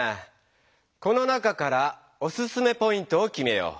この中からおすすめポイントをきめよう。